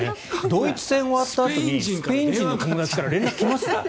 ドイツ戦が終わったあとにスペイン人から連絡来ます？